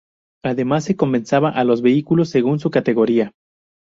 Además se compensaba a los vehículos según su categoría.